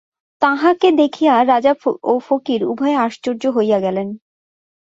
তাঁহাকে দেখিয়া রাজা ও ফকির উভয়ে আশ্চর্য হইয়া গেলেন।